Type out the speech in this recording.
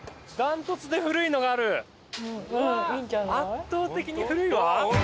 圧倒的に古いわ。